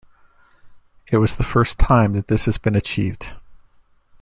It was the first time that this has been achieved.